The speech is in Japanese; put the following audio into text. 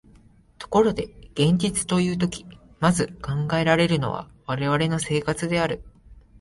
ところで現実というとき、まず考えられるのは我々の生活である。